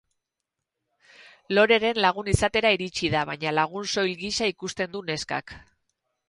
Loreren lagun izatera iritsi da, baina lagun soil gisa ikusten du neskak.